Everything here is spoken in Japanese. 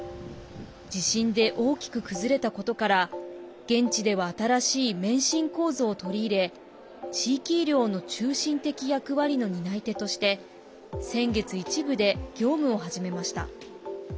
地震で大きく崩れたことから現地では新しい免震構造を取り入れ地域医療の中心的役割の担い手として先月、一部で業務を始めました。